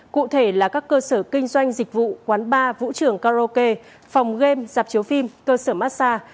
cụ thể là các cơ sở kinh doanh dịch vụ quán bar vũ trường karaoke phòng game dạp chiếu phim cơ sở massage